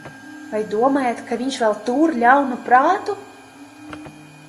Vai domājat, ka viņš vēl tur ļaunu prātu?